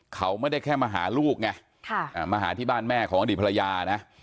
เขาไม่ได้แค่มาหาลูกไงมาหาที่บ้านแม่ของอดีตภรรยานะ